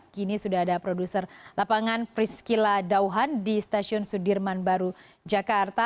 kini sudah ada produser lapangan priscila dauhan di stasiun sudirman baru jakarta